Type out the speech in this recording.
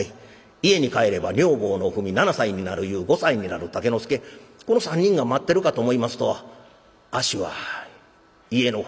家に帰れば女房のふみ七歳になるゆう五歳になる竹之介この三人が待ってるかと思いますと足は家の方へとは向きません。